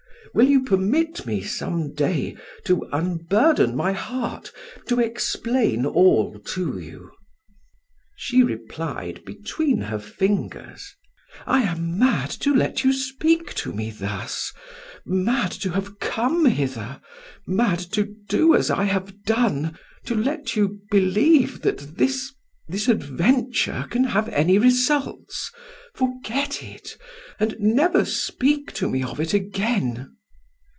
Will you permit me some day to unburden my heart, to explain all to you?" She replied between her fingers: "I am mad to let you speak to me thus mad to have come hither mad to do as I have done, to let you believe that this this adventure can have any results. Forget it, and never speak to me of it again."